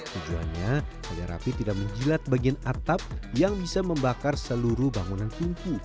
tujuannya agar rapi tidak menjilat bagian atap yang bisa membakar seluruh bangunan tungku